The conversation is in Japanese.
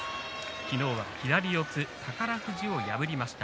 昨日は左四つ宝富士を破りました。